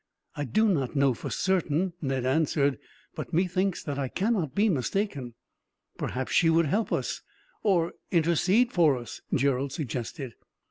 "I do not know for certain," Ned answered, "but methinks that I cannot be mistaken." "Perhaps she would help us, or intercede for us," Gerald suggested.